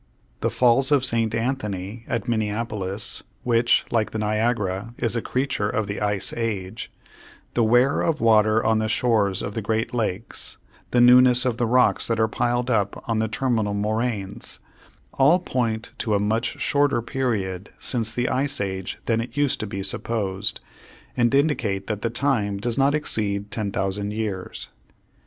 The Falls of St. Anthony at Minneapolis (which like the Niagara is a creature of the ice age), the wear of water on the shores of the great lakes, the newness of the rocks that are piled up on the terminal moraines, all point to a much shorter period since the ice age than it used to be supposed, and indicate that the time does not exceed 10,000 years.